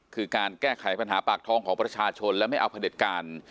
คือการแก้ไขปัญหาปากท้องของประชาชนและไม่เอาผลิตการ